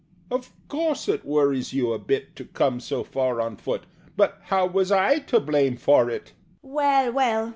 "Of course it worries you a bit To come so far on foot But how was I to blame for it?" "Well, well!"